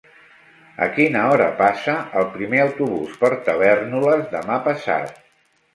A quina hora passa el primer autobús per Tavèrnoles demà passat?